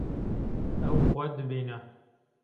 Ew xwe dibîne.